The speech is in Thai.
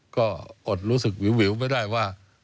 ก็อดรู้สึกวิวไม่ได้ว่า